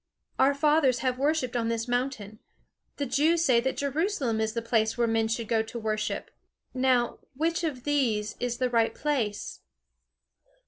Our fathers have worshipped on this mountain. The Jews say that Jerusalem is the place where men should go to worship. Now, which of these is the right place?"